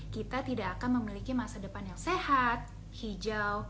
kita tidak akan memiliki masa depan yang sehat hijau